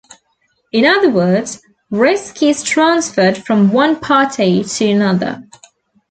In other words, risk is transferred from one party to another.